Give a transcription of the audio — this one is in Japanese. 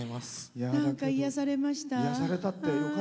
なんか癒やされました。